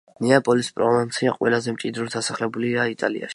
ნეაპოლის პროვინცია ყველაზე მჭიდროდ დასახლებულია იტალიაში.